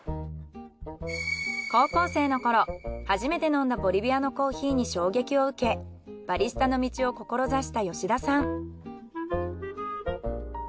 高校生の頃初めて飲んだボリビアのコーヒーに衝撃を受けバリスタの道を志した吉田さん。